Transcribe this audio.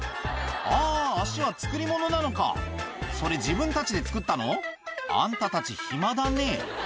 あぁ足は作り物なのかそれ自分たちで作ったの？あんたたち暇だね